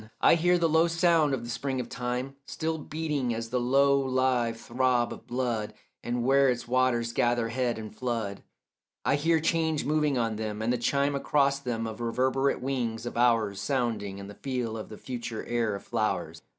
I hear the low sound of the spring of time Still beating as the low live throb of blood, And where its waters gather head and flood I hear change moving on them, and the chime Across them of reverberate wings of hours Sounding, and feel the future air of flowers.